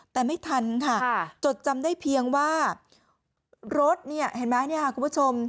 แต่ไม่ทันค่ะจดจำได้เพียงว่ารถเนี่ยเห็นไหมเนี่ยค่ะคุณผู้ชม